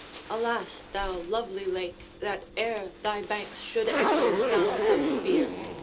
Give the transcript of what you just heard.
Alas, thou lovely lake! that e'er Thy banks should echo sounds of fear!